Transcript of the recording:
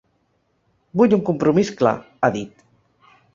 Vull un compromís clar, ha dit.